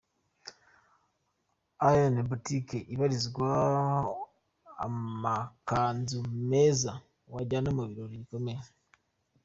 Ian Boutique ibarizwamo amakanzu meza wajyana mu birori bikomeye.